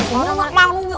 kamu emang malu ya